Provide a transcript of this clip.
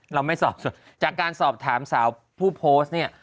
เราไม่สอบส่วนจากการสอบถามสาวผู้โพสต์เนี่ย